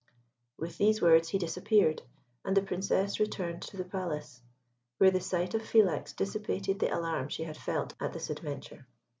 With these words he disappeared, and the Princess returned to the palace, where the sight of Philax dissipated the alarm she had felt at this adventure.